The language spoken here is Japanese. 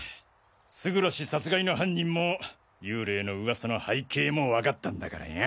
勝呂氏殺害の犯人も幽霊の噂の背景もわかったんだからよ。